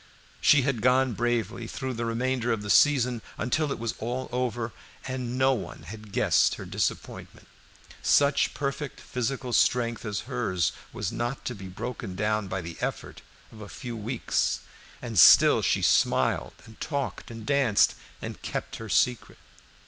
She had gone bravely through the remainder of the season, until all was over, and no one had guessed her disappointment. Such perfect physical strength as hers was not to be broken down by the effort of a few weeks, and still she smiled and talked and danced and kept her secret.